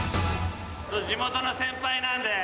地元の先輩なんで。